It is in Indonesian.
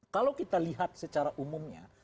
kalau kita lihat secara umumnya